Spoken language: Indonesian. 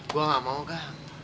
gue gak mau kah